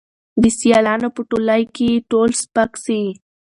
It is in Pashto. د سیالانو په ټولۍ کي یې تول سپک سي